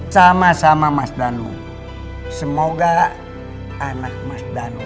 sama sama mas danu semoga anak mas danu